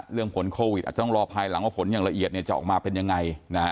เรื่องผลโควิดต้องรอภายหลังว่าผลอย่างละเอียดจะออกมาเป็นยังไง